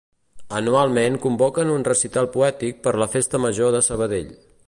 Anualment convoquen un recital poètic per la Festa Major de Sabadell.